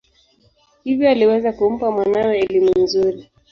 Hivyo aliweza kumpa mwanawe elimu nzuri.